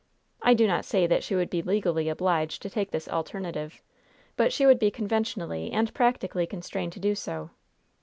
I do not say that she would be legally obliged to take this alternative, but she would be conventionally and practically constrained to do so.